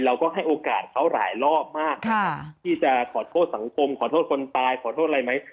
เราก็ให้โอกาสเขาหลายรอบมากนะครับที่จะขอโทษสังคมขอโทษคนตายขอโทษอะไรไหม